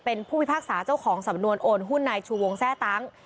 เป็นผู้พิพากษาเจ้าของสำนวนโอนหุ้นนายชูวงแทร่ตั้ง